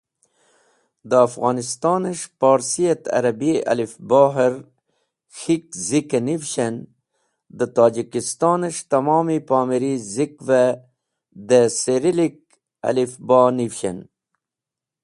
De Afghonistoes̃h Porsi et Arabi Alif-Bo her k̃hik Zike Nivshen, de Tojikistnes̃h tamomi Pomiri Zikve de Cyrillik ali-bo nivshen.